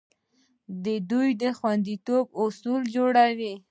دوی د خوندیتوب اصول جوړوي.